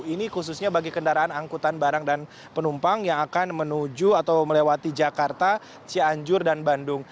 ini khususnya bagi kendaraan angkutan barang dan penumpang yang akan menuju atau melewati jakarta cianjur dan bandung